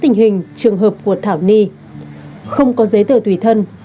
tình hình trường hợp của thảo ni không có giấy tờ tùy thân